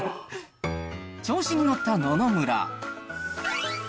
調子に乗った野々村。